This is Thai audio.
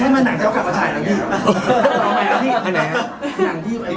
นั้นแหละนะหนังเจ้ากลับมาใช่เหรอพี่